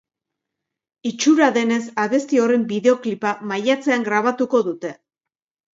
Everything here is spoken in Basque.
Itxura denez, abesti horren bideoklipa maiatzean grabatuko dute.